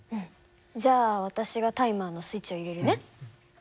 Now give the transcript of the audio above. じゃあ私がタイマーのスイッチを入れるね。